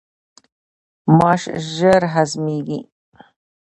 ماش ژر هضمیږي.